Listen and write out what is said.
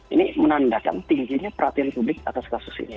ini menandakan tingginya perhatian publik atas kasus ini